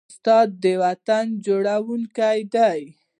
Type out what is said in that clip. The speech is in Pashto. استاد د وطن جوړوونکی دی.